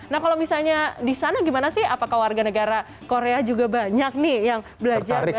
nah kalau misalnya di sana gimana sih apakah warga negara korea juga banyak nih yang belajar